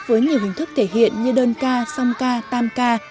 với nhiều hình thức thể hiện như đơn ca song ca tam ca